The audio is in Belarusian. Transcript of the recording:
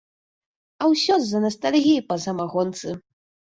А ўсё з-за настальгіі па самагонцы!